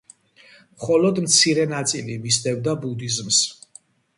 მხოლოდ მცირე ნაწილი მისდევდა ბუდიზმს.